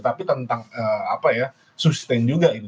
tapi tentang apa ya sustain juga itu